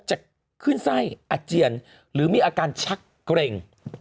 จะขึ้นไส้อาเจียนหรือมีอาการชักเกร็ง